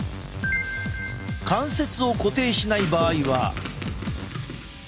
関節を固定しない場合は。